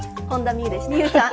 望結さん。